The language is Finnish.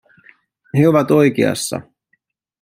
He ovat oikeassa.